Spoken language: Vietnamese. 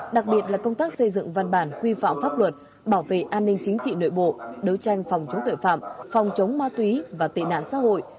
đặc biệt là công tác xây dựng văn bản quy phạm pháp luật bảo vệ an ninh chính trị nội bộ đấu tranh phòng chống tội phạm phòng chống ma túy và tệ nạn xã hội